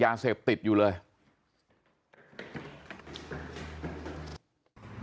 แล้วเมื่อคืนเลยอยู่ที่ไหน